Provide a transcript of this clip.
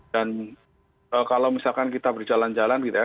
dan kalau misalkan kita berjalan jalan gitu ya